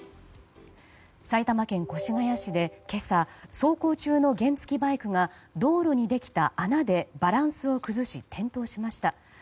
埼玉県越谷市で今朝走行中の原付きバイクが道路にできた穴でバランスを崩し転倒しました。